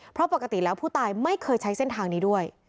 เพราะปกติแล้วผู้ตายไม่เคยใช้เส้นทางนี้ด้วย